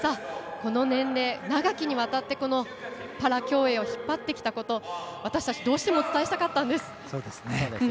この年齢、長きにわたってパラ競泳を引っ張ってきたこと私たち、どうしてもお伝えしたかったんです。